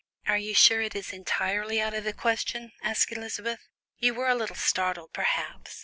"Are you sure it is entirely out of the question?" asked Elizabeth. "You were a little startled, perhaps.